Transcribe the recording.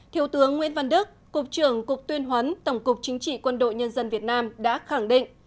thiếu tướng nguyễn văn đức cục trưởng cục tuyên huấn tổng cục chính trị quân đội nhân dân việt nam đã khẳng định